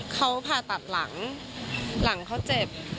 เขาผ่าตัดหลังหลังเขาเจ็บ